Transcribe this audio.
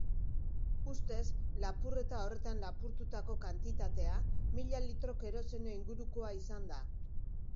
Ustez, lapurreta horretan lapurtutako kantitatea mila litro keroseno ingurukoa izan da.